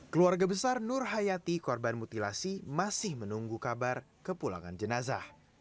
keluarga besar nur hayati korban mutilasi masih menunggu kabar kepulangan jenazah